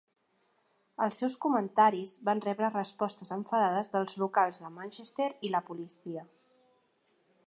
Els seus comentaris van rebre respostes enfadades dels locals de Manchester i la policia.